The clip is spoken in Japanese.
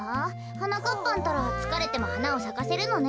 はなかっぱんったらつかれてもはなをさかせるのね。